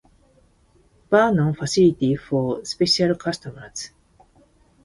Vernon facility for special customers.